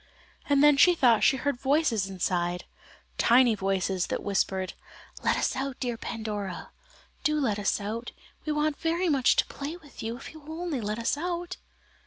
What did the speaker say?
And then she thought she heard voices inside, tiny voices that whispered: "Let us out, dear Pandora, do let us out; we want very much to play with you if you will only let us out?"